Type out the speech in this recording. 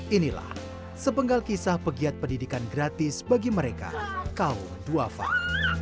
inilah sepenggal kisah pegiat pendidikan gratis bagi mereka kaum duafak